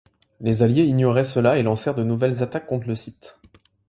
Les Alliés ignoraient cela et lancèrent de nouvelles attaques contre le site.